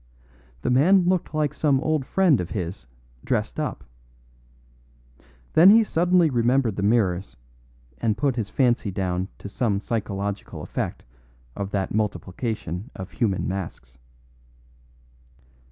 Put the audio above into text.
The man looked like some old friend of his dressed up. Then he suddenly remembered the mirrors, and put his fancy down to some psychological effect of that multiplication of human masks.